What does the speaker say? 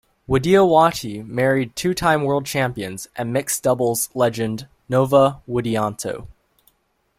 Widiowati married two-time world champions and mixed doubles legend Nova Widianto.